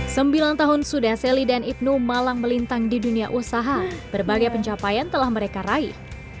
sembilan tahun sudah sally dan ibnu malang melintang di dunia usaha berbagai pencapaian telah mereka raih